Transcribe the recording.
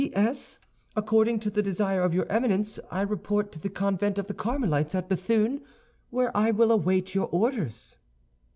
"P.S.—According to the desire of your Eminence, I report to the convent of the Carmelites at Béthune, where I will await your orders."